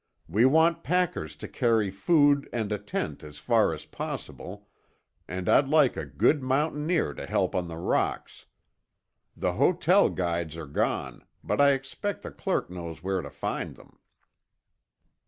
We want packers to carry food and a tent as far as possible, and I'd like a good mountaineer to help on the rocks. The hotel guides are gone, but I expect the clerk knows where to find them."